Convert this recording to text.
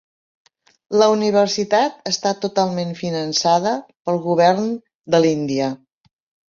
La universitat està totalment finançada pel Govern de l'Índia.